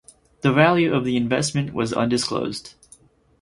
The value of the investment was undisclosed.